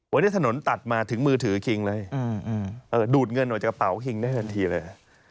วันนี้ถนนตัดมาถึงมือถือคิงเลยดูดเงินออกจากกระเป๋าคิงได้ทันทีเลย